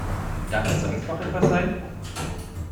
Darf es sonst noch etwas sein?